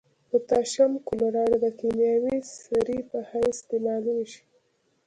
پوتاشیم کلورایډ د کیمیاوي سرې په حیث استعمالیږي.